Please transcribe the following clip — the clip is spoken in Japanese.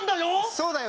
そうだよ。